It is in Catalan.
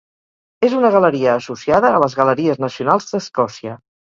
És una galeria associada a les Galeries Nacionals d'Escòcia.